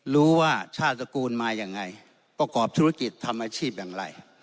รู้ว่าชาติตระกูลมายังไงประกอบธุรกิจทำอาชีพอย่างไร